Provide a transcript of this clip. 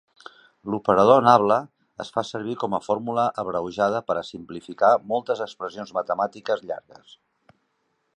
L'operador nabla es fa servir com a fórmula abreujada per simplificar moltes expressions matemàtiques llargues.